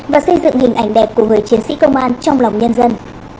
và xây dựng hình ảnh đẹp của người chiến sĩ công an trong lòng nhân dân